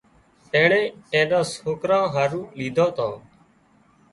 اينڻي اين ني سوڪري هارو ليڌان تان